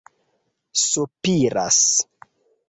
sopiras